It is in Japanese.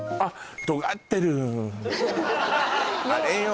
あれよ